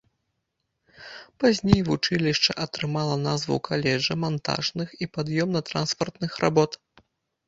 Пазней вучылішча атрымала назву каледжа мантажных і пад'ёмна-транспартных работ.